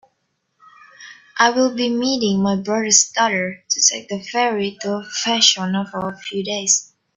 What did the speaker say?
I will be meeting my brother's daughter to take the ferry to Vashon for a few days.